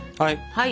はい！